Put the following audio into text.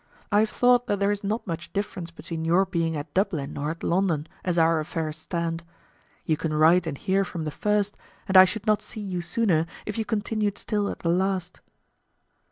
I have thought that there is not much difference between your being at Dublin or at London, as our affairs stand. You can write and hear from the first, and I should not see you sooner if you continued still at the last.